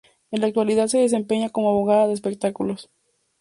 En la actualidad se desempeña como abogada de espectáculos.